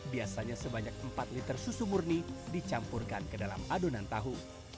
biasanya sebanyak empat liter susu murni dicampurkan ke dalam adonan tahu